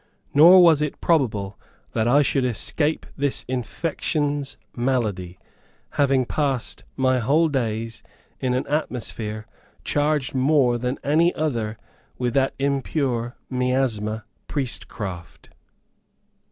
Nor was it probable that I should escape this infections malady, having passed my whole days in an atmosphere, charged more than any other with that impure miasma priest craft."